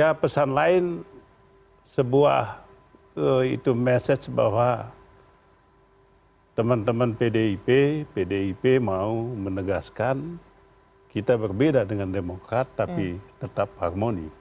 ya pesan lain sebuah itu message bahwa teman teman pdip pdip mau menegaskan kita berbeda dengan demokrat tapi tetap harmoni